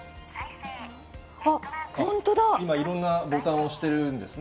今、いろんなボタンを押してるんですね。